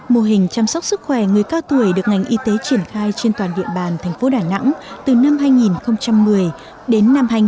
mô hình chăm sóc sức khỏe người cao tuổi được ngành y tế triển khai trên toàn địa bàn thành phố đà nẵng từ năm hai nghìn một mươi đến năm hai nghìn một mươi